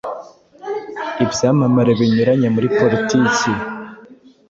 ibyamamare binyuranye muri Politiki